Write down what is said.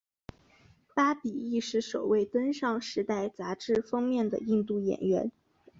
巴比亦是首位登上时代杂志封面的印度演员。